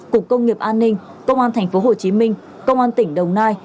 cục công nghiệp an ninh công an tp hcm công an tỉnh đồng nai